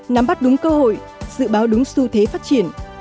nắm bắt đúng cơ hội dự báo đúng xu thế phát triển